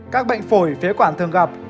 các bệnh phổi phế quản thường gặp